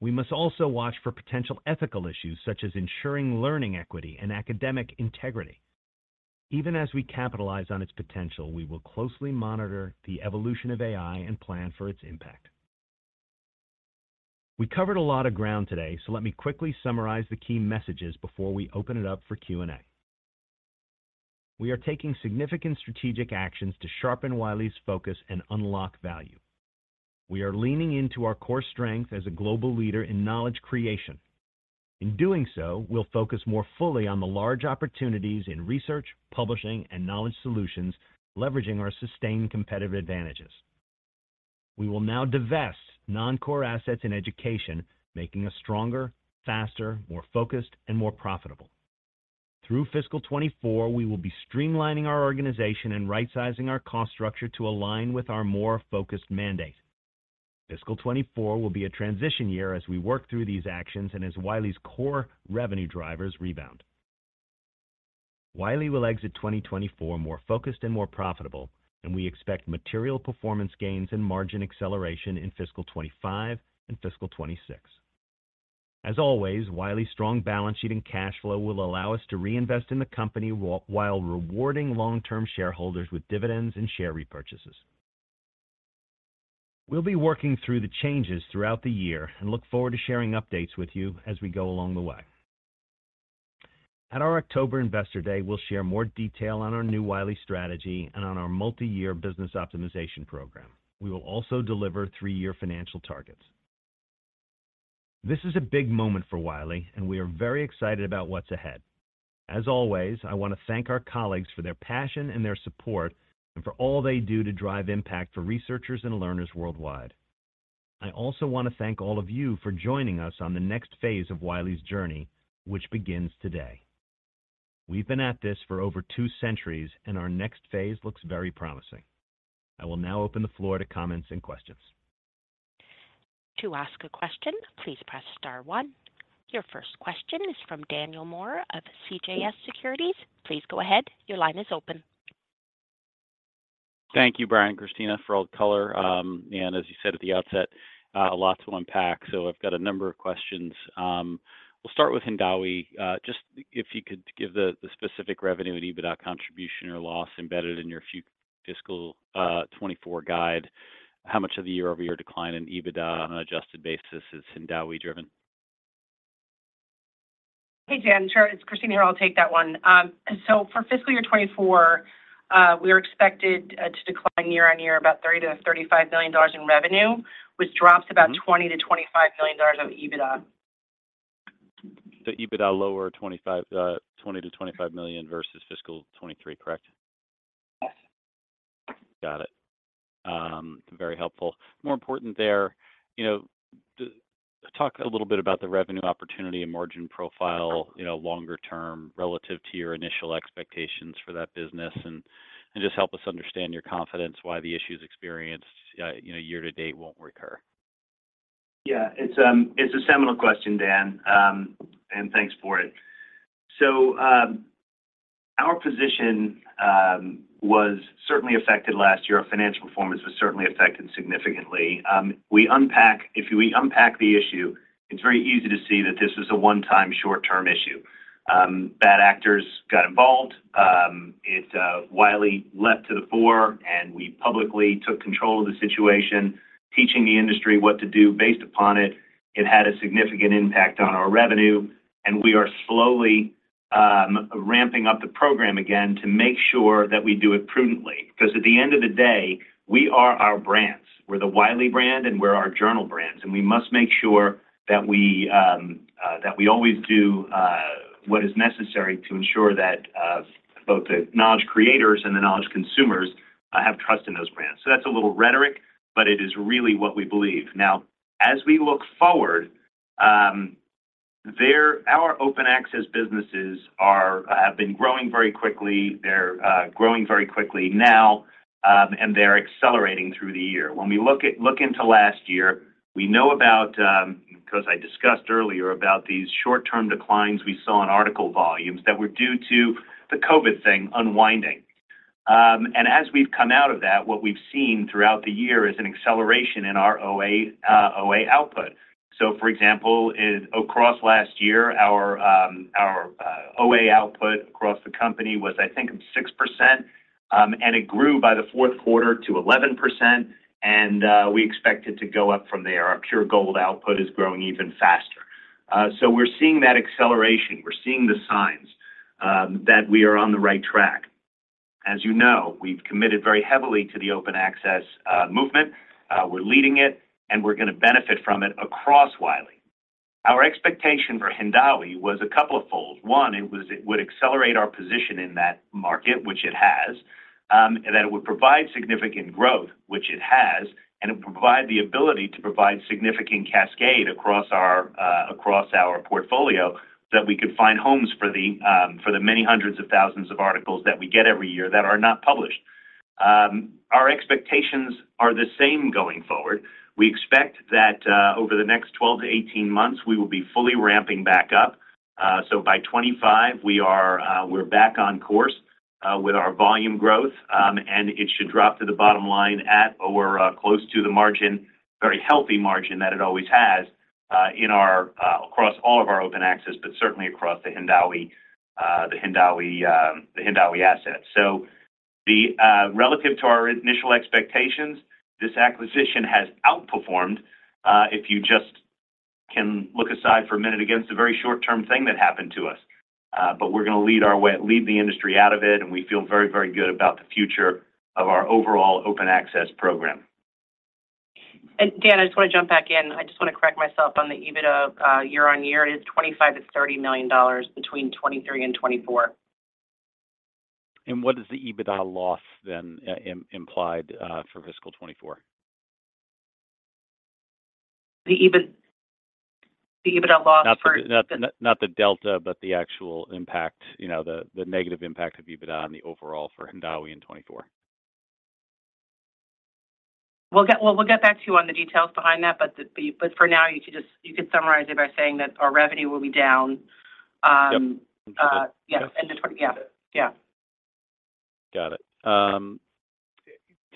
[SPEAKER 3] We must also watch for potential ethical issues, such as ensuring learning equity and academic integrity. Even as we capitalize on its potential, we will closely monitor the evolution of AI and plan for its impact. We covered a lot of ground today, let me quickly summarize the key messages before we open it up for Q&A. We are taking significant strategic actions to sharpen Wiley's focus and unlock value. We are leaning into our core strength as a global leader in knowledge creation. In doing so, we'll focus more fully on the large opportunities in research, publishing, and knowledge solutions, leveraging our sustained competitive advantages. We will now divest non-core assets in education, making us stronger, faster, more focused, and more profitable. Through fiscal 2024, we will be streamlining our organization and right-sizing our cost structure to align with our more focused mandate. Fiscal 2024 will be a transition year as we work through these actions and as Wiley's core revenue drivers rebound. Wiley will exit 2024 more focused and more profitable, and we expect material performance gains and margin acceleration in fiscal 2025 and fiscal 2026. As always, Wiley's strong balance sheet and cash flow will allow us to reinvest in the company, while rewarding long-term shareholders with dividends and share repurchases. We'll be working through the changes throughout the year and look forward to sharing updates with you as we go along the way. At our October Investor Day, we'll share more detail on our new Wiley strategy and on our multi-year business optimization program. We will also deliver three-year financial targets. This is a big moment for Wiley, and we are very excited about what's ahead. As always, I want to thank our colleagues for their passion and their support, and for all they do to drive impact for researchers and learners worldwide. I also want to thank all of you for joining us on the next phase of Wiley's journey, which begins today. We've been at this for over two centuries, and our next phase looks very promising. I will now open the floor to comments and questions.
[SPEAKER 1] To ask a question, please press star one. Your first question is from Daniel Moore of CJS Securities. Please go ahead. Your line is open.
[SPEAKER 5] Thank you, Brian, Christina, for all the color. As you said at the outset, a lot to unpack, so I've got a number of questions. We'll start with Hindawi. Just if you could give the specific revenue and EBITDA contribution or loss embedded in your fiscal 2024 guide, how much of the year-over-year decline in EBITDA on an adjusted basis is Hindawi driven?
[SPEAKER 4] Hey, Dan. Sure, it's Christina here. I'll take that one. For fiscal year 2024, we are expected to decline year-over-year, about $30 million-$35 million in revenue, which drops about $20 million-$25 million on EBITDA.
[SPEAKER 5] The EBITDA lower $20 million-$25 million versus fiscal 2023, correct?
[SPEAKER 4] Yes.
[SPEAKER 5] Got it. Very helpful. More important there, you know, talk a little bit about the revenue opportunity and margin profile, you know, longer term relative to your initial expectations for that business, and just help us understand your confidence, why the issues experienced, you know, year to date won't recur?
[SPEAKER 3] Yeah, it's a seminal question, Dan, and thanks for it. Our position was certainly affected last year. Our financial performance was certainly affected significantly. If we unpack the issue, it's very easy to see that this is a one-time, short-term issue. Bad actors got involved. It, Wiley leapt to the fore, and we publicly took control of the situation, teaching the industry what to do based upon it. It had a significant impact on our revenue, and we are slowly ramping up the program again to make sure that we do it prudently, because at the end of the day, we are our brands. We're the Wiley brand, and we're our journal brands, we must make sure that we, that we always do, what is necessary to ensure that, both the knowledge creators and the knowledge consumers, have trust in those brands. That's a little rhetoric, but it is really what we believe. As we look forward, our Open Access businesses are, have been growing very quickly. They're, growing very quickly now, and they're accelerating through the year. We look at, look into last year, we know about, because I discussed earlier about these short-term declines we saw in article volumes that were due to the COVID thing unwinding. As we've come out of that, what we've seen throughout the year is an acceleration in our OA output. For example, across last year, our OA output across the company was, I think, 6%, and it grew by the fourth quarter to 11%, and we expect it to go up from there. Our pure gold output is growing even faster. We're seeing that acceleration. We're seeing the signs that we are on the right track. As you know, we've committed very heavily to the Open Access movement. We're leading it, and we're going to benefit from it across Wiley. Our expectation for Hindawi was a couple of folds. One, it was, it would accelerate our position in that market, which it has, that it would provide significant growth, which it has, it would provide the ability to provide significant cascade across our, across our portfolio, that we could find homes for the, for the many hundreds of thousands of articles that we get every year that are not published. Our expectations are the same going forward. We expect that, over the next 12-18 months, we will be fully ramping back up. By 2025, we are, we're back on course. With our volume growth, and it should drop to the bottom line at or close to the margin, very healthy margin that it always has, in our, across all of our Open Access, but certainly across the Hindawi assets. The relative to our initial expectations, this acquisition has outperformed, if you just can look aside for a minute against a very short-term thing that happened to us. We're gonna lead the industry out of it, and we feel very, very good about the future of our overall Open Access program.
[SPEAKER 4] Dan, I just want to jump back in. I just want to correct myself on the EBITDA, year-on-year, it is $25 million-$30 million between 2023 and 2024.
[SPEAKER 5] What is the EBITDA loss then, implied, for fiscal 2024?
[SPEAKER 4] The EBIT, the EBITDA loss.
[SPEAKER 5] Not the delta, but the actual impact, you know, the negative impact of EBITDA on the overall for Hindawi in 2024.
[SPEAKER 4] Well, we'll get back to you on the details behind that, but for now, you could summarize it by saying that our revenue will be down.
[SPEAKER 5] Yep.
[SPEAKER 4] Yes. Yeah. Yeah.
[SPEAKER 5] Got it.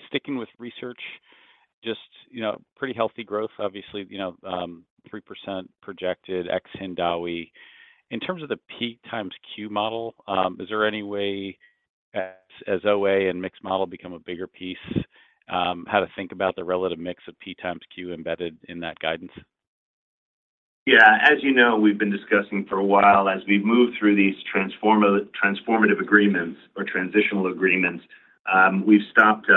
[SPEAKER 5] Sticking with research, just, you know, pretty healthy growth, obviously, you know, 3% projected ex Hindawi. In terms of the P times Q model, is there any way as OA and mixed model become a bigger piece, how to think about the relative mix of P times Q embedded in that guidance?
[SPEAKER 3] Yeah. As you know, we've been discussing for a while, as we've moved through these transformative agreements or transitional agreements, we've stopped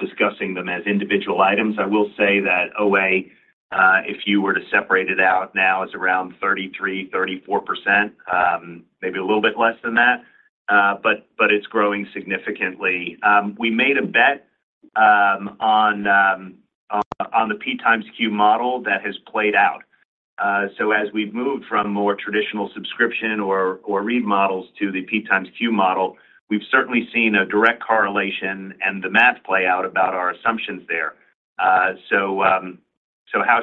[SPEAKER 3] discussing them as individual items. I will say that OA, if you were to separate it out now, is around 33%-34%, maybe a little bit less than that, but it's growing significantly. We made a bet on the P times Q model that has played out. As we've moved from more traditional subscription or read models to the P times Q model, we've certainly seen a direct correlation and the math play out about our assumptions there. How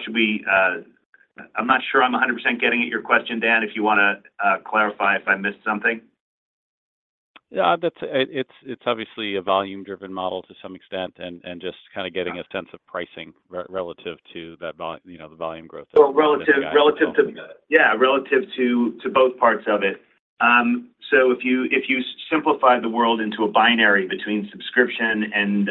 [SPEAKER 3] should we? I'm not sure I'm 100% getting at your question, Dan, if you wanna clarify if I missed something.
[SPEAKER 5] Yeah, that's, it's obviously a volume-driven model to some extent, and just kind of getting a sense of pricing relative to that volume growth.
[SPEAKER 3] Well, relative to. Yeah, relative to both parts of it. If you simplify the world into a binary between subscription and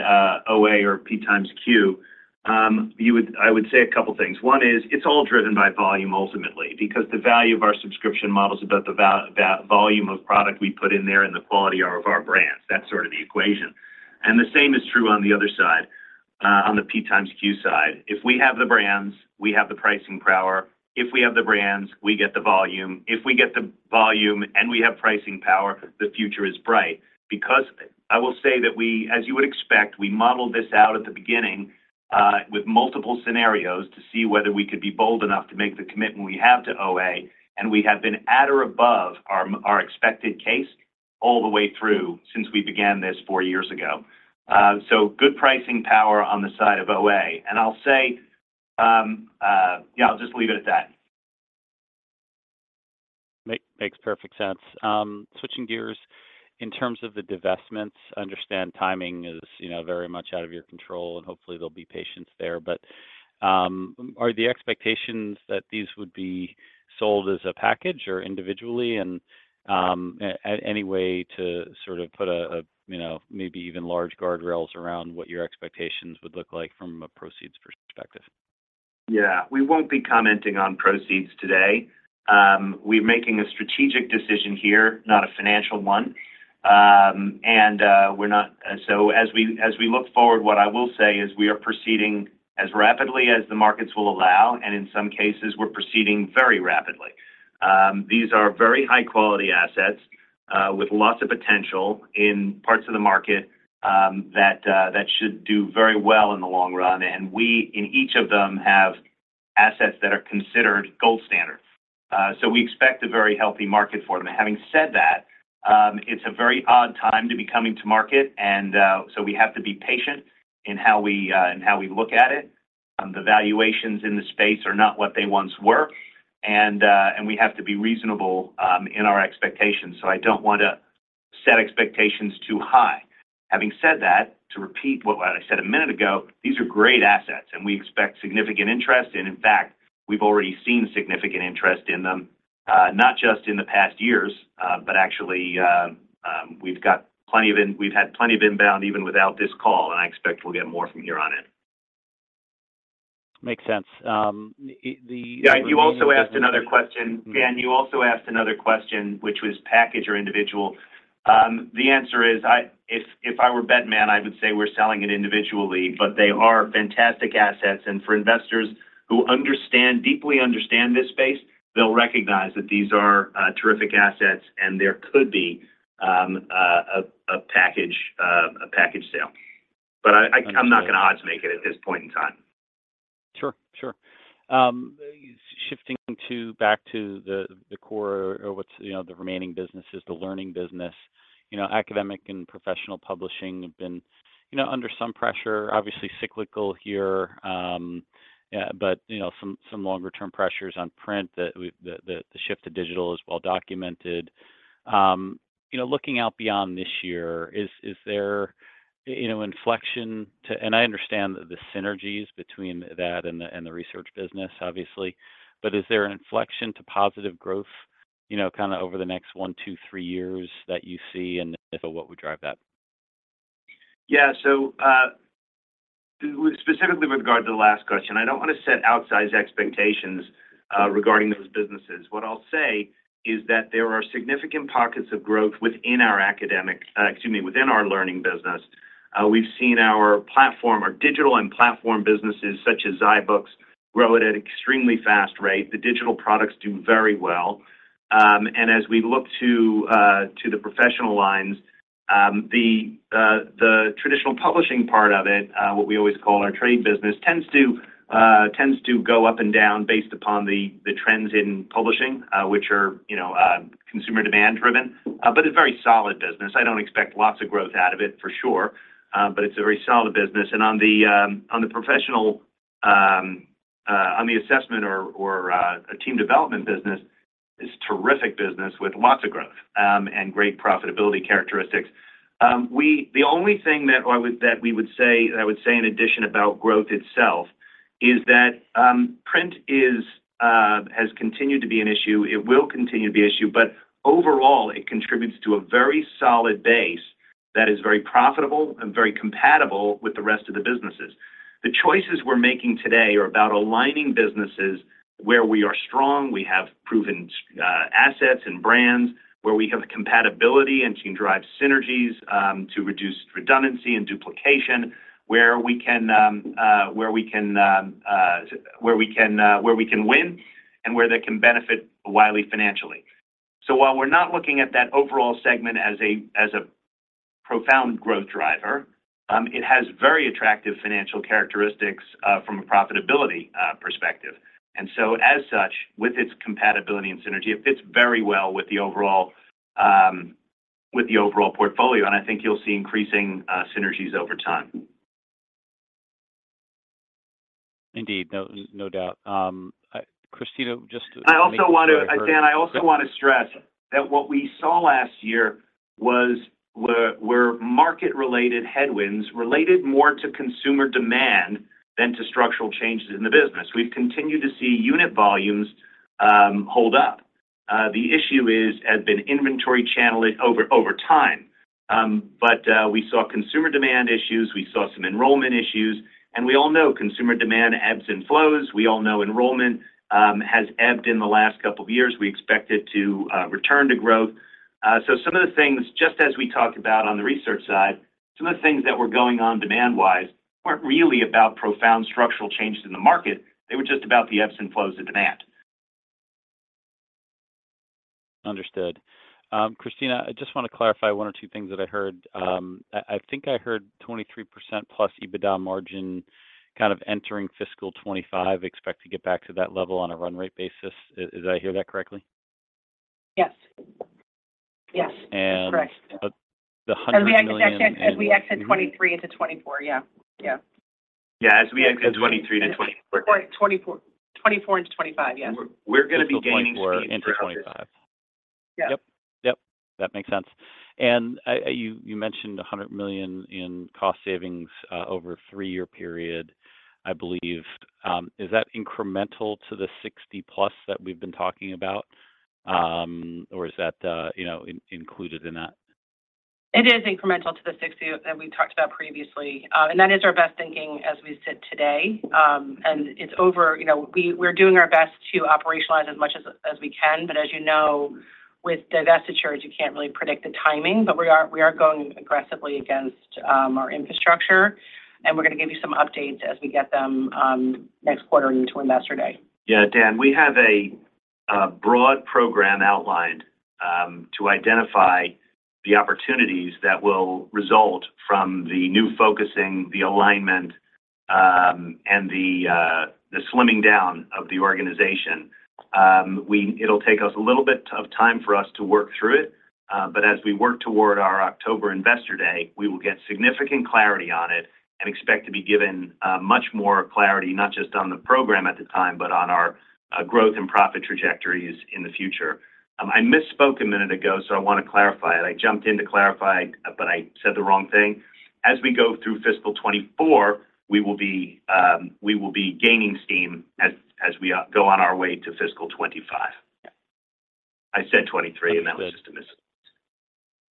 [SPEAKER 3] OA or P times Q, I would say a couple of things. One is it's all driven by volume, ultimately, because the value of our subscription model is about the volume of product we put in there and the quality of our brands. That's sort of the equation. The same is true on the other side, on the P times Q side. If we have the brands, we have the pricing power. If we have the brands, we get the volume. If we get the volume and we have pricing power, the future is bright. I will say that we, as you would expect, we modeled this out at the beginning, with multiple scenarios to see whether we could be bold enough to make the commitment we have to OA, and we have been at or above our expected case all the way through since we began this four years ago. Good pricing power on the side of OA. I'll say, yeah, I'll just leave it at that.
[SPEAKER 5] Makes perfect sense. Switching gears, in terms of the divestments, I understand timing is, you know, very much out of your control, and hopefully, there'll be patience there. Are the expectations that these would be sold as a package or individually? Any way to sort of put a, you know, maybe even large guardrails around what your expectations would look like from a proceeds perspective?
[SPEAKER 3] Yeah. We won't be commenting on proceeds today. We're making a strategic decision here, not a financial one. As we look forward, what I will say is we are proceeding as rapidly as the markets will allow, and in some cases, we're proceeding very rapidly. These are very high-quality assets, with lots of potential in parts of the market, that should do very well in the long run. We, in each of them, have assets that are considered gold standard. We expect a very healthy market for them. Having said that, it's a very odd time to be coming to market. We have to be patient in how we look at it. The valuations in the space are not what they once were. We have to be reasonable in our expectations, so I don't want to set expectations too high. Having said that, to repeat what I said a minute ago, these are great assets. We expect significant interest, in fact, we've already seen significant interest in them, not just in the past years, but actually, we've had plenty of inbound even without this call. I expect we'll get more from here on in.
[SPEAKER 5] Makes sense.
[SPEAKER 3] You also asked another question. Dan, you also asked another question which was package or individual. The answer is, if I were bet man, I would say we're selling it individually, but they are fantastic assets, and for investors who understand, deeply understand this space, they'll recognize that these are terrific assets, and there could be a package sale.
[SPEAKER 5] Understood.
[SPEAKER 3] I'm not gonna odds make it at this point in time.
[SPEAKER 5] Sure. Sure. Shifting back to the core or what's, you know, the remaining businesses, the learning business. You know, academic and professional publishing have been, you know, under some pressure, obviously cyclical here. You know, some longer-term pressures on print that we've, the shift to digital is well documented. You know, looking out beyond this year, is there, you know, inflection, and I understand the synergies between that and the research business, obviously. Is there an inflection to positive growth, you know, kind of over the next one, two, three years that you see, and if so, what would drive that?
[SPEAKER 3] Specifically with regard to the last question, I don't want to set outsized expectations regarding those businesses. What I'll say is that there are significant pockets of growth within our academic, excuse me, within our learning business. We've seen our platform, our digital and platform businesses, such as zyBooks, grow at an extremely fast rate. The digital products do very well. As we look to the professional lines, the traditional publishing part of it, what we always call our trade business, tends to go up and down based upon the trends in publishing, which are, you know, consumer demand driven. But a very solid business. I don't expect lots of growth out of it, for sure, but it's a very solid business. On the professional, on the assessment or a team development business, is terrific business with lots of growth and great profitability characteristics. The only thing that we would say, that I would say in addition about growth itself, is that print has continued to be an issue. It will continue to be an issue, but overall, it contributes to a very solid base that is very profitable and very compatible with the rest of the businesses. The choices we're making today are about aligning businesses where we are strong, we have proven assets and brands, where we have compatibility and can drive synergies to reduce redundancy and duplication. Where we can win and where they can benefit Wiley financially. While we're not looking at that overall segment as a profound growth driver, it has very attractive financial characteristics from a profitability perspective. As such, with its compatibility and synergy, it fits very well with the overall portfolio, and I think you'll see increasing synergies over time.
[SPEAKER 5] Indeed. No, no doubt. Christina, just to.
[SPEAKER 3] Dan, I also want to stress that what we saw last year were market-related headwinds related more to consumer demand than to structural changes in the business. We've continued to see unit volumes hold up. The issue has been inventory channeling over time. We saw consumer demand issues, we saw some enrollment issues, and we all know consumer demand ebbs and flows. We all know enrollment has ebbed in the last couple of years. We expect it to return to growth. Some of the things, just as we talked about on the research side, some of the things that were going on demand-wise weren't really about profound structural changes in the market. They were just about the ebbs and flows of demand.
[SPEAKER 5] Understood. Christina, I just want to clarify one or two things that I heard. I think I heard 23%+ EBITDA margin kind of entering fiscal 2025, expect to get back to that level on a run rate basis. Did I hear that correctly?
[SPEAKER 4] Yes.
[SPEAKER 5] And-
[SPEAKER 4] Correct.
[SPEAKER 5] The $100 million.
[SPEAKER 4] As we exit 2023 into 2024. Yeah, yeah.
[SPEAKER 3] Yeah, as we exit 2023 to 2024.
[SPEAKER 4] 2024 into 2025, yes.
[SPEAKER 3] We're going to be gaining speed.
[SPEAKER 5] Into 2025.
[SPEAKER 4] Yeah.
[SPEAKER 5] Yep. That makes sense. You mentioned $100 million in cost savings over a three-year period, I believe. Is that incremental to the $60+ million that we've been talking about? Or is that, you know, included in that?
[SPEAKER 4] It is incremental to the $60 million that we talked about previously. That is our best thinking as we sit today. It's over... You know, we're doing our best to operationalize as much as we can, but as you know, with divestitures, you can't really predict the timing. We are going aggressively against our infrastructure, and we're going to give you some updates as we get them next quarter into Investor Day.
[SPEAKER 3] Yeah, Dan, we have a broad program outlined to identify the opportunities that will result from the new focusing, the alignment, and the slimming down of the organization. It'll take us a little bit of time for us to work through it, but as we work toward our October Investor Day, we will get significant clarity on it and expect to be given much more clarity, not just on the program at the time, but on our growth and profit trajectories in the future. I misspoke a minute ago, so I want to clarify it. I jumped in to clarify, but I said the wrong thing. As we go through fiscal 2024, we will be gaining steam as we go on our way to fiscal 2025.
[SPEAKER 4] Yeah.
[SPEAKER 3] I said 2023, and that was just a miss.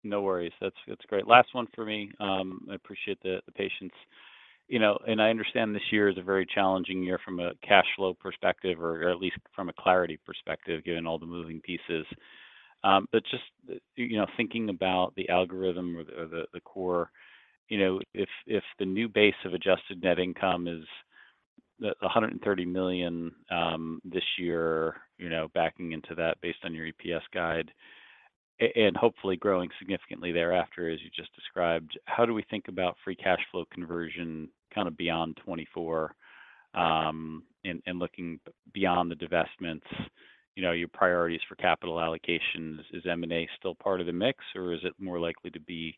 [SPEAKER 5] No worries. That's great. Last one for me. I appreciate the patience. You know, I understand this year is a very challenging year from a cash flow perspective, or at least from a clarity perspective, given all the moving pieces. Just, you know, thinking about the algorithm or the core, you know, if the new base of adjusted net income is the $130 million this year, you know, backing into that based on your EPS guide, and hopefully growing significantly thereafter, as you just described, how do we think about free cash flow conversion kind of beyond 2024? Looking beyond the divestments, you know, your priorities for capital allocations, is M&A still part of the mix, or is it more likely to be,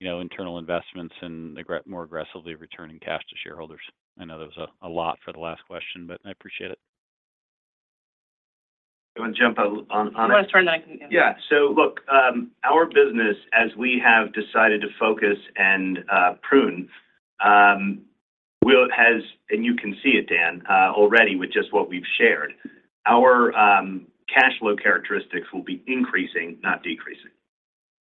[SPEAKER 5] you know, internal investments and more aggressively returning cash to shareholders? I know there was a lot for the last question, but I appreciate it.
[SPEAKER 3] I'm gonna jump on.
[SPEAKER 4] You want to start.
[SPEAKER 3] Look, our business, as we have decided to focus and prune, has. And you can see it, Dan, already with just what we've shared. Our cash flow characteristics will be increasing, not decreasing.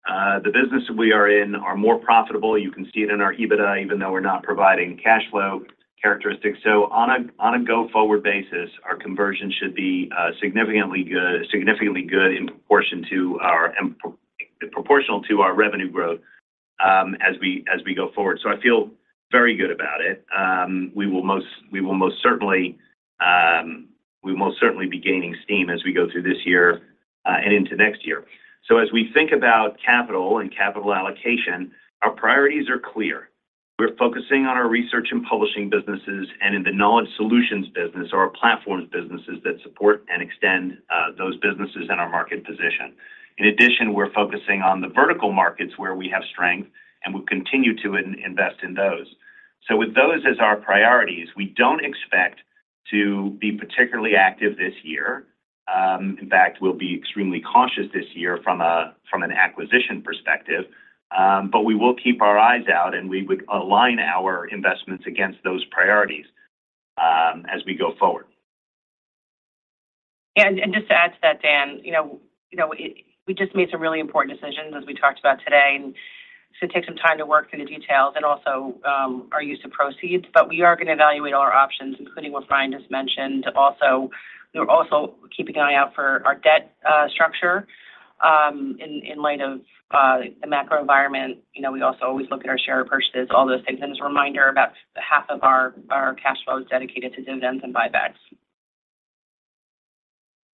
[SPEAKER 3] The business we are in are more profitable. You can see it in our EBITDA, even though we're not providing cash flow characteristics. On a go-forward basis, our conversion should be significantly good in proportion to our proportional to our revenue growth, as we go forward. I feel very good about it. We will most certainly be gaining steam as we go through this year and into next year. As we think about capital and capital allocation, our priorities are clear. We're focusing on our research and publishing businesses and in the knowledge solutions business or our platforms businesses that support and extend those businesses and our market position. In addition, we're focusing on the vertical markets where we have strength, and we continue to invest in those. With those as our priorities, we don't expect to be particularly active this year. In fact, we'll be extremely cautious this year from an acquisition perspective, but we will keep our eyes out, and we would align our investments against those priorities as we go forward.
[SPEAKER 4] Just to add to that, Dan, you know, you know, we just made some really important decisions, as we talked about today, and it's gonna take some time to work through the details and also, our use of proceeds. We are gonna evaluate all our options, including what Brian just mentioned. Also, we're also keeping an eye out for our debt, structure, in light of, the macro environment. You know, we also always look at our share purchases, all those things. As a reminder, about half of our cash flow is dedicated to dividends and buybacks.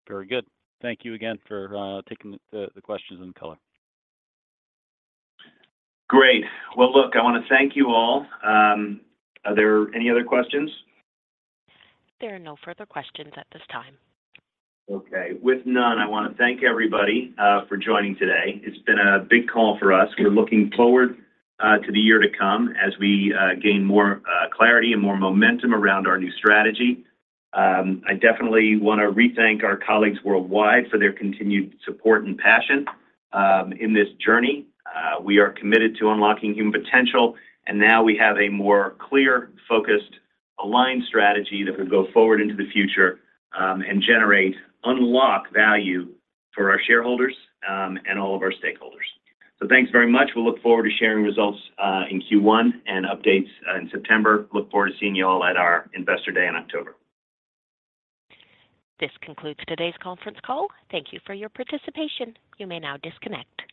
[SPEAKER 5] Very good. Thank you again for taking the questions in color.
[SPEAKER 3] Great. Well, look, I want to thank you all. Are there any other questions?
[SPEAKER 1] There are no further questions at this time.
[SPEAKER 3] Okay, with none, I want to thank everybody, for joining today. It's been a big call for us. We're looking forward, to the year to come as we, gain more, clarity and more momentum around our new strategy. I definitely want to re-thank our colleagues worldwide for their continued support and passion, in this journey. We are committed to unlocking human potential, and now we have a more clear, focused, aligned strategy that will go forward into the future, and generate, unlock value for our shareholders, and all of our stakeholders. Thanks very much. We'll look forward to sharing results, in Q1 and updates, in September. Look forward to seeing you all at our Investor Day in October.
[SPEAKER 1] This concludes today's conference call. Thank you for your participation. You may now disconnect.